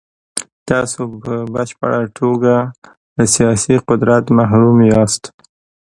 تاسو په بشپړه توګه له سیاسي قدرت محروم یاست.